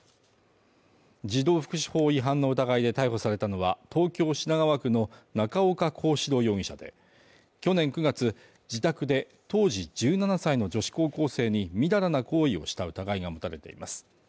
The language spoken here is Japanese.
児童福祉法違反の疑いで逮捕されたのは、東京・品川区の中岡幸志朗容疑者で、去年９月、自宅で当時１７歳の女子高校生にみだらな行為をした疑いが持たれています。